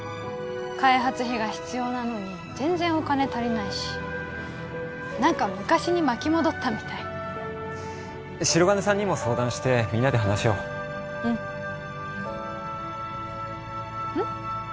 開発費が必要なのに全然お金足りないし何か昔に巻き戻ったみたい白金さんにも相談してみんなで話し合おううんうんっ？